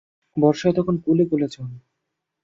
বর্ষায় তখন কূলে কূলে জল।